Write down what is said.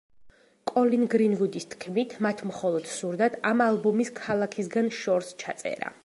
კოლინ გრინვუდის თქმით, მათ მხოლოდ სურდათ ამ ალბომის ქალაქისგან შორს ჩაწერა.